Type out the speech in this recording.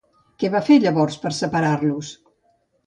Què va fer, llavors, per a separar-los?